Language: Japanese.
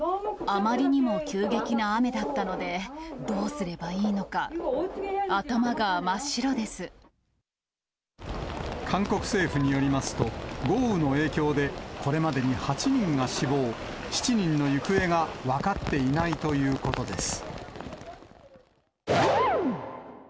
あまりにも急激な雨だったので、どうすればいいのか、頭が真っ白韓国政府によりますと、豪雨の影響で、これまでに８人が死亡、７人の行方が分かっていないということです。